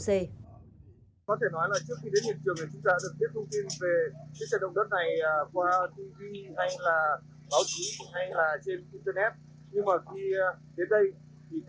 có thể nói là trước khi đến nhiệm trường thì chúng ta đã được biết thông tin về cái xe động đất này qua tv hay là báo chí